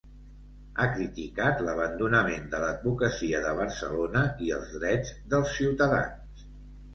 Ha criticat l’abandonament de l’advocacia de Barcelona i els drets dels ciutadans.